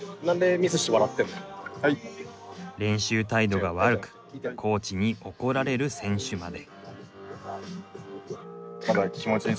練習態度が悪くコーチに怒られる選手まで。